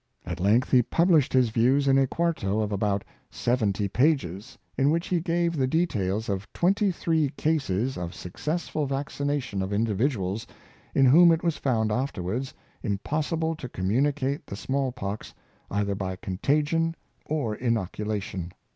At length he published his views in a quarto of about seventy pages, in which he gave the details of twenty three cases of successful vaccination of individuals, in whom it was found afterwards impos sible to communicate the small pox either by contagion or inoculation.